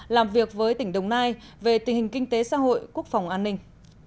làm việc với tỉnh đồng nai về tình hình kinh tế xã hội quốc phòng an ninh